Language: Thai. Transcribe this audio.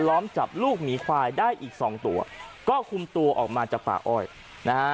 ล้อมจับลูกหมีควายได้อีกสองตัวก็คุมตัวออกมาจากป่าอ้อยนะฮะ